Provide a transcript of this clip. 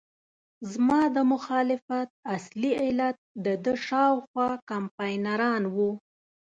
زما د مخالفت اصلي علت دده شاوخوا کمپاینران وو.